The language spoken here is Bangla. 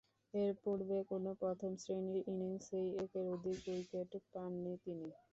এরপূর্বে কোন প্রথম-শ্রেণীর ইনিংসেই একের অধিক উইকেট পাননি তিনি।